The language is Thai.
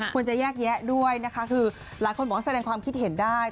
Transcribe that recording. ควรจะแยกแยะด้วยนะคะคือหลายคนบอกว่าแสดงความคิดเห็นได้